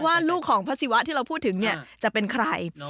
ว่าลูกของพระศิวะที่เราพูดถึงเนี่ยจะเป็นใคร